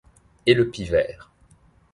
Et le pivert